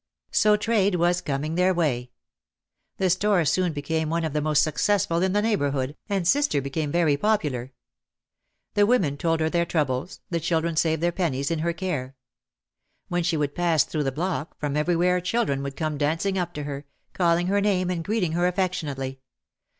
So trade was coming their way. The store soon became one of the most successful in the neighbourhood, and sister became very popular. The women told her their troubles, the children saved their pennies in her care. When she would pass through the block, from everywhere children would come dancing up to her, call ing her name and greeting her affectionately.